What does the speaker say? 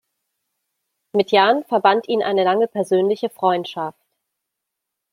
Mit Jahnn verband ihn eine lange persönliche Freundschaft.